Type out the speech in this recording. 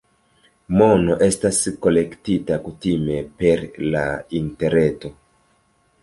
Mono estas kolektita kutime per la Interreto.